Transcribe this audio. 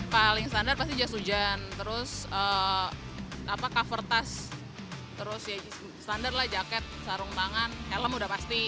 paling standar pasti jas hujan terus cover tas terus ya standar lah jaket sarung tangan helm udah pasti